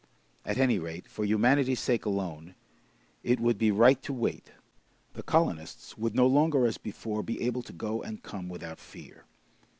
At any rate, for humanity's sake alone, it would be right to wait. The colonists would no longer as before, be able to go and come without fear.